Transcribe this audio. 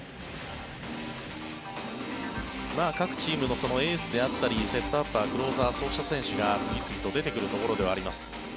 各チームのエースだったりセットアッパー、クローザーそうした選手が次々と出てくるところではあります。